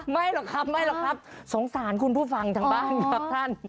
ไม่หรอกครับสงสารคุณผู้ฟังทางบ้านครับท่าน